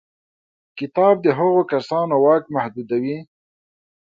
کتاب د هغو کسانو واک محدودوي.